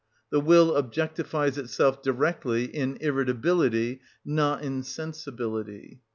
The will objectifies itself directly, in irritability, not in sensibility.